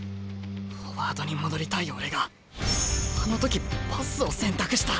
フォワードに戻りたい俺があの時パスを選択した。